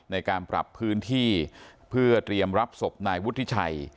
ในการปรับพื้นที่เพื่อเตรียมรับศพนายวุฒิชัย